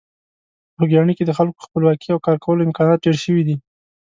په خوږیاڼي کې د خلکو خپلواکي او کارکولو امکانات ډېر شوي دي.